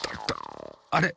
あれ？